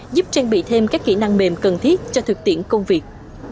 giúp trang bị thêm các kỹ năng mềm cần thiết cho thực tiễn công việc